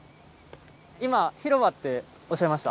今広場っておっしゃいました？